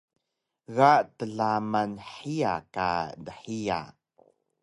Ga tlaman hiya ka dhiya